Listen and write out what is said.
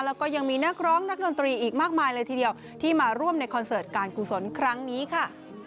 แล้วก็ยังมีนักร้องนักดนตรีอีกมากมายเลยทีเดียวที่มาร่วมในคอนเสิร์ตการกุศลครั้งนี้ค่ะ